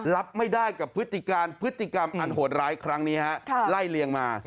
รับไม่ได้กับพฤติการพฤติกรรมอันโหดร้ายครั้งนี้ฮะไล่เลียงมา